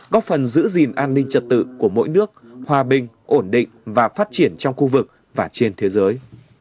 góp phần giữ gìn an ninh trật tự của mỗi nước hòa bình ổn định và phát triển trong khu vực và trên thế giới